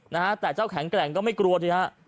นะฮะแต่เจ้าแข็งแกร่งก็ไม่กลัวสิฮะ